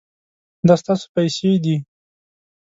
دا ستاسو پیسې دي